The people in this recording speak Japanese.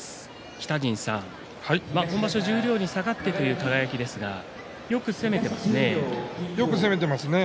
北陣さん、今場所十両に下がってという輝ですがよく攻めていますね。